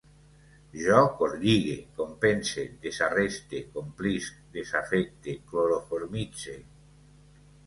Jo corlligue, compense, desarreste, complisc, desafecte, cloroformitze